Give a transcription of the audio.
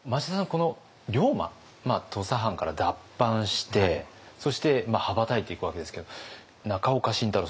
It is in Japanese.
この龍馬土佐藩から脱藩してそして羽ばたいていくわけですけど中岡慎太郎